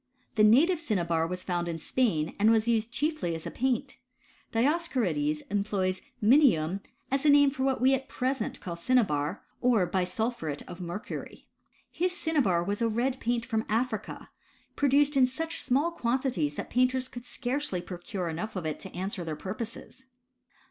The native cinnabar was found in Spain, and was used chieily as a paint. Dioscorides employs mimam as Ilhe name for what we at present call cinnabar, or bisul phuret of mercury. His cinnabar was a red paint from Africa, produced in such small quantity that [ paiotei's could scarcely procure enough of it to answer their purposes.